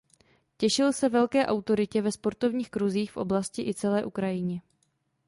Těšil se velké autoritě ve sportovních kruzích v oblasti i celé Ukrajině.